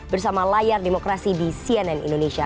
bersama layar demokrasi di cnn indonesia